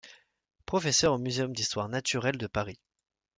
Professeur au Muséum national d'histoire naturelle de Paris.